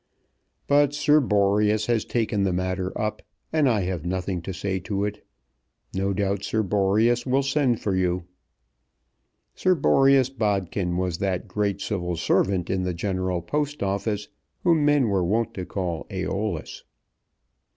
But Sir Boreas has taken the matter up, and I have nothing to say to it. No doubt Sir Boreas will send for you." Sir Boreas Bodkin was that great Civil servant in the General Post Office whom men were wont to call Æolus.